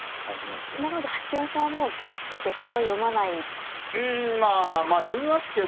なので８四飛車はもう切り捨ててこれは読まないですか。